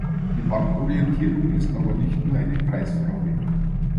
Die Marktorientierung ist aber nicht nur eine Preisfrage.